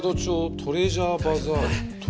トレジャーバザール？